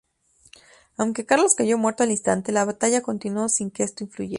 Aunque Carlos cayó muerto al instante, la batalla continuó sin que esto influyera.